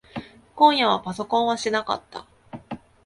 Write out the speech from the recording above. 今夜はパソコンはしなかった。